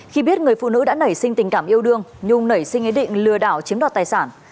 khi biết người phụ nữ đã nảy sinh tình cảm yêu đương nhung nảy sinh ý định lừa đảo chiếm đoạt tài sản